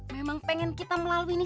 memang pengen kita melalui ini